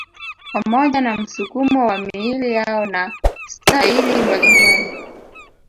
Pamoja na msukumo wa miili yao na staili mbalimbali